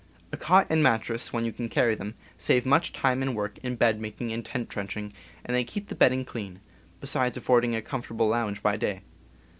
A cot and mattress, when you can carry them, save much time and work in bed making and tent trenching, and they keep the bedding clean, besides affording a comfortable lounge by day.